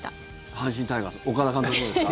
阪神タイガース岡田監督のですか？